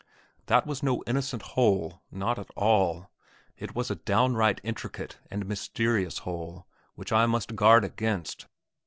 That was no innocent hole not at all. It was a downright intricate and mysterious hole, which I must guard against!